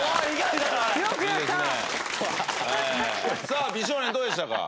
さあ美少年どうでしたか？